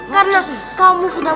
karena kamu sudah